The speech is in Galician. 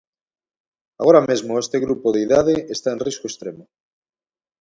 Agora mesmo este grupo de idade está en risco extremo.